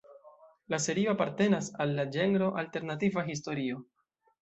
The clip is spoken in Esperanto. La serio apartenas al la ĝenro alternativa historio.